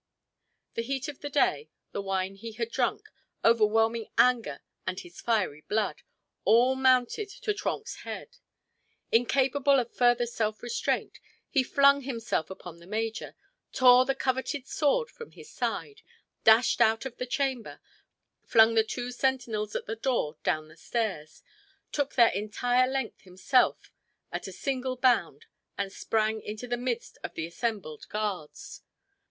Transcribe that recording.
The heat of the day, the wine he had drunk, overwhelming anger and his fiery blood, all mounted to Trenck's head. Incapable of further self restraint, he flung himself upon the major, tore the coveted sword from his side, dashed out of the chamber, flung the two sentinels at the door down the stairs, took their entire length himself at a single bound and sprang into the midst of the assembled guards.